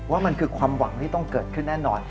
ว่ามันคือความหวังที่ต้องเกิดขึ้นแน่นอน